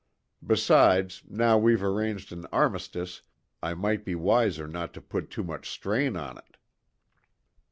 Besides, now we've arranged an armistice, it might be wiser not to put too much strain on it!"